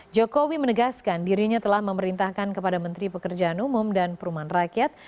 jokowi menegaskan dirinya telah memerintahkan kepada menteri pekerjaan umum dan perumahan rakyat